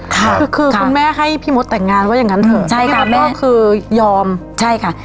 คือคือคุณแม่ให้พี่มดแต่งงานว่าอย่างงั้นเถอะใช่ค่ะแม่คือยอมใช่ค่ะ